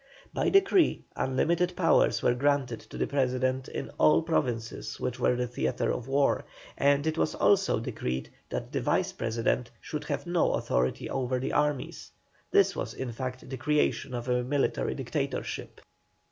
By decree, unlimited powers were granted to the President in all provinces which were the theatre of war, and it was also decreed that the Vice President should have no authority over the armies. This was in fact the creation of a military dictatorship.